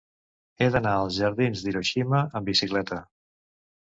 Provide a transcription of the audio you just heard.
He d'anar als jardins d'Hiroshima amb bicicleta.